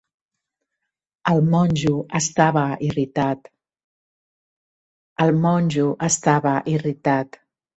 El monjo estava irritat.